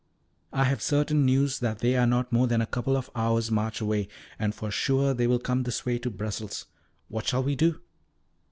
I have certain news that they are not more than a couple of hours' march away, and for sure they will come this way to Brussels. What shall we do?"